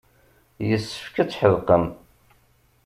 Yessefk ad tḥedqem.